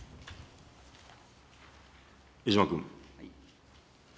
江島君。